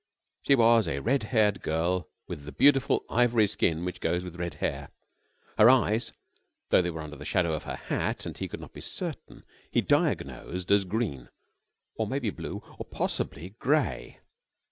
She was a red haired girl with the beautiful ivory skin which goes with red hair. Her eyes, though they were under the shadow of her hat, and he could not be certain, he diagnosed as green, or maybe blue, or possibly grey.